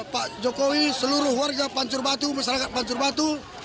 pak jokowi seluruh warga pancur batu masyarakat pancur batu